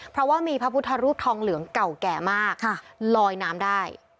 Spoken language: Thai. เพราะว่ามีพระพุทธรูปทองเหลืองเก่าแก่มากลอยน้ำได้